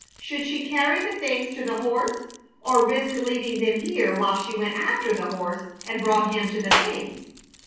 Should she carry the things to the horse or risk leaving them here while she went after the horse and brought him to the things?